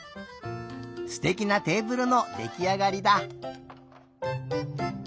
すてきなテーブルのできあがりだ。